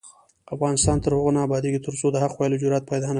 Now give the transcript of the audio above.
افغانستان تر هغو نه ابادیږي، ترڅو د حق ویلو جرات پیدا نکړو.